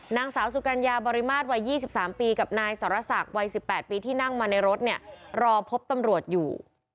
นางสาวสุกัญญาบริมาตรวัย๒๓ปีกับนายสรษักวัย๑๘ปีที่นั่งมาในรถเนี่ยรอพบตำรวจอยู่